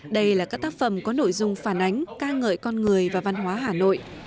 đây là các tác phẩm có nội dung phản ánh ca ngợi con người và văn hóa hà nội